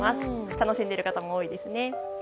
楽しんでいる方も多いですね。